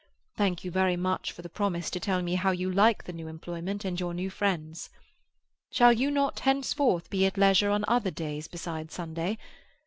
Thank you very much for the promise to tell me how you like the new employment and your new friends. Shall you not henceforth be at leisure on other days besides Sunday?